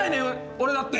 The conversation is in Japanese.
俺だって。